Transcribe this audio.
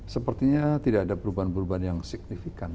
sepertinya tidak ada perubahan perubahan yang signifikan